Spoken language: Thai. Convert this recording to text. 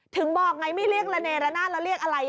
ถึงบอกไงไม่เรียกระเนระนาดแล้วเรียกอะไร